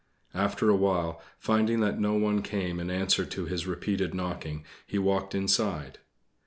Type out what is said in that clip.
After awhile, finding that no one came in answer to his repeated knocking, he walked inside.